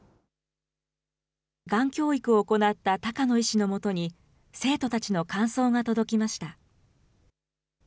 がん教育を行った高野医師のもとに、生徒たちの感想が届きました。